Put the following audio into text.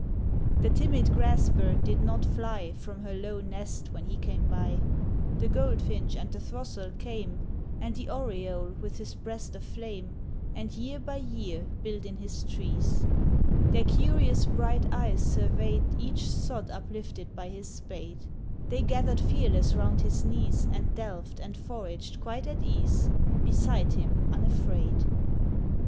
The timid grass bird did not fly From her low nest when he came by ; The goldfinch and the throstle came, And the oriole with his breast of flame And year by year built in his trees : Their curious bright eyes surveyed Each sod uplifted by his spade ; They gathered fearless round his knees, And delved and foraged quite at ease, Beside him unafraid.